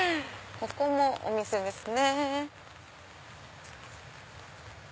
ここもお店ですね。